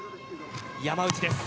山内です。